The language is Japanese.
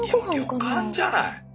もう旅館じゃない。